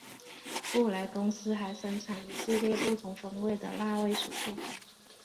布莱公司还生产一系列不同风味的辣味薯片。